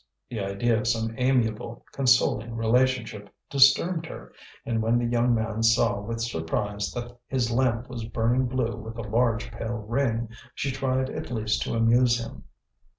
The idea of some amiable, consoling relationship disturbed her; and when the young man saw with surprise that his lamp was burning blue with a large pale ring, she tried at least to amuse him.